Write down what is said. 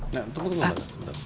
nah tunggu tunggu pak